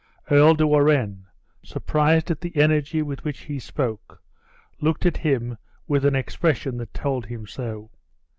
Earl de Warenne, surprised at the energy with which he spoke, looked at him with an expression that told him so.